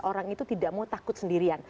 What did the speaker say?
orang itu tidak mau takut sendirian